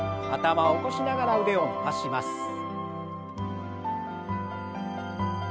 頭を起こしながら腕を伸ばします。